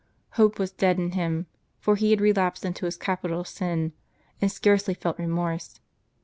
Hope was dead in him ; for he had relapsed into his capital sin, and scarcely felt remorse.